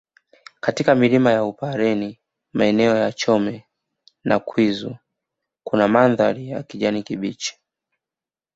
Katika milima ya upareni maeneo ya Chome na Kwizu kuna mandhari ya kijani kibichi